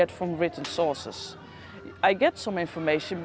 dan itu adalah jenis seperti ini